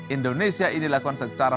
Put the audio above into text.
indonesia ini lakukan secara